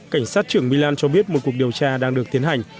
cảnh sát trưởng milan cho biết một cuộc điều tra đang được tiến hành